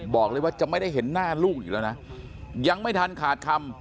บอกเลยว่าจะไม่ได้เห็นหน้าลูกอยู่แล้วนะยังไม่ทันขาดคำ